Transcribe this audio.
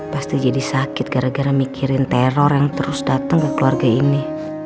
pasti jadi sakit gara gara mikirin teror yang terus datang ke keluarga ini